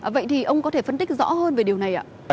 vậy thì ông có thể phân tích rõ hơn về điều này ạ